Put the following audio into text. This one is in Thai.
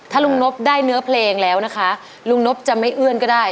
ถ้าลุงนบได้เนื้อเพลงแล้วนะคะลุงนบจะไม่เอื้อนก็ได้